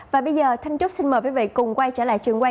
và bây giờ thanh trúc xin mời quý vị cùng quay trở lại trường quay